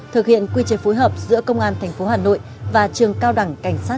thực hiện quy trình phối hợp giữa công an thành phố hà nội và trường cao đẳng cảnh sát nhân dân một